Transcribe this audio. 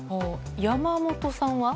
山本さんは？